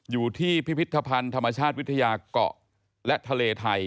พิพิธภัณฑ์ธรรมชาติวิทยาเกาะและทะเลไทย